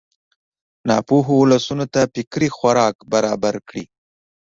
ناپوهو ولسونو ته فکري خوراک برابر کړي.